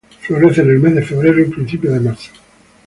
Florece en el mes de febrero y principios de marzo.